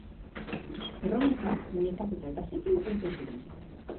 Erromesak nekatuta eta zikin heltzen ziren.